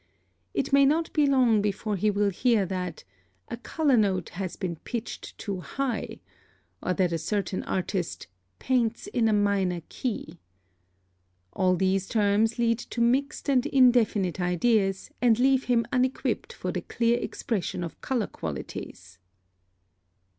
It may not be long before he will hear that "a color note has been pitched too high," or that a certain artist "paints in a minor key." All these terms lead to mixed and indefinite ideas, and leave him unequipped for the clear expression of color qualities.